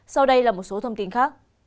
sau đây là một số thông tin khác